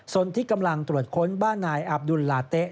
ส่วนที่กำลังตรวจค้นบ้านนายอับดุลลาเต๊ะ